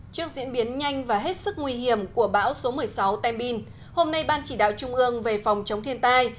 trước diễn biến nhanh và hết sức nguy hiểm của bão số một mươi sáu tem bin hôm nay ban chỉ đạo trung ương về phòng chống thiên tai